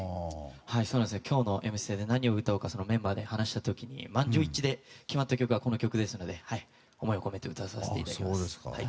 今日の「Ｍステ」で何を歌うかメンバーで話した時に満場一致で決まった曲ですので思いを込めて歌わせていただきます。